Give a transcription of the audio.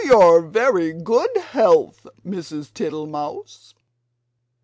Your very good health, Mrs. Tittlemouse!"